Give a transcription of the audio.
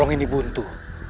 lorong ini buntu